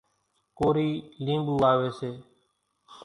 ڪورِي لينٻُو واويَ سي۔